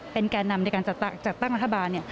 เป็นแก่นำในการจัดตั้งรัฐบาล